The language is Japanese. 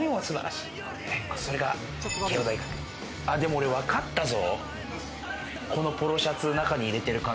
俺、わかったぞ。